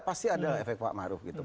pasti ada efek pak maruf gitu